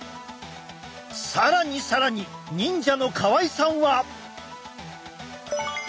更に更に忍者の河合さんは。